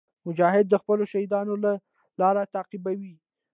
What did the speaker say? مجاهد د خپلو شهیدانو لار تعقیبوي.